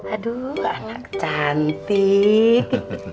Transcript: aduh anak cantik